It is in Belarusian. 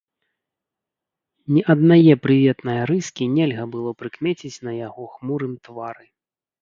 Ні аднае прыветнае рыскі нельга было прыкмеціць на яго хмурым твары.